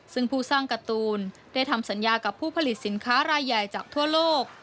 ซึ่งผู้สร้างการ์ตูนได้ทำสัญญากับผู้ผลิตสินค้ารายใหญ่จากทั่วโลก